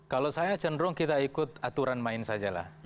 kalau saya cenderung kita ikut aturan main saja lah